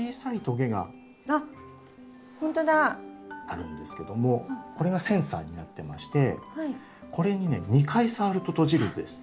あるんですけどもこれがセンサーになってましてこれにね２回触ると閉じるんです。